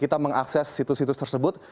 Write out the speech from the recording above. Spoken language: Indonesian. kita mengakses situs situs tersebut